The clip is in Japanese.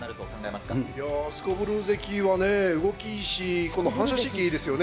すこぶる関はね、動きいいし、反射神経いいですよね。